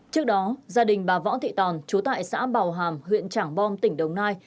trước đó gia đình bà võ thị tòn chú tại xã bào hàm huyện trảng bom tỉnh đồng nai